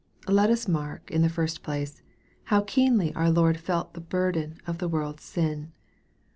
Let us mark, in the first place, how keenly our Lord felt the burden of a. world's sin.